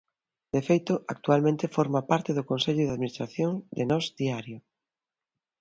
De feito, actualmente forma parte do Consello de Administración de Nós Diario.